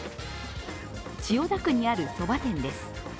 千代田区にあるそば店です。